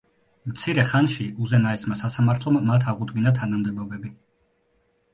მცირე ხანში უზენაესმა სასამართლომ მათ აღუდგინა თანამდებობები.